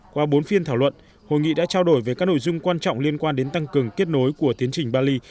qua bốn phiên thảo luận hội nghị đã trao đổi về các nội dung quan trọng liên quan đến tăng cường kết nối của tiến trình bali